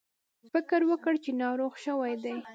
فکر وکړ چې ناروغ شوي دي.